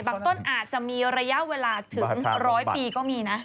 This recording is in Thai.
ต้นอาจจะมีระยะเวลาถึง๑๐๐ปีก็มีนะ